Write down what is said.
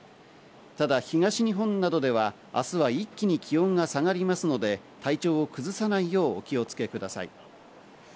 ただ、東日本などでは明日は一気に気温が下がりますので体調を崩さないようお気をつけください。